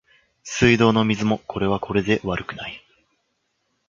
水道の水もこれはこれで悪くない